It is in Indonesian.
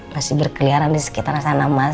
masih berkeliaran di sekitar sana mas